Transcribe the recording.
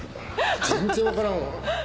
全然分からんわ。